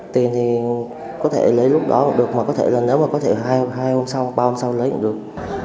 tiền thì có thể lấy lúc đó cũng được mà có thể là nếu mà có thể hai hôm sau hoặc ba hôm sau lấy cũng được